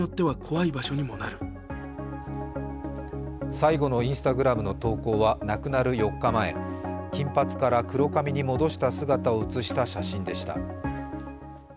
最後のＩｎｓｔａｇｒａｍの投稿は亡くなる４日前、金髪から黒髪に戻した姿を写した写真でした。